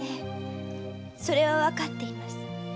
それはわかってます。